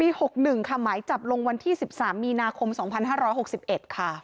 ๖๑ค่ะหมายจับลงวันที่๑๓มีนาคม๒๕๖๑ค่ะ